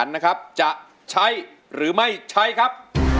แทนหนังคัญนะครับจะใช้หรือไม่ใช้ครับ